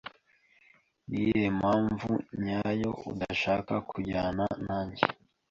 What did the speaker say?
Niyihe mpamvu nyayo udashaka kujyana nanjye?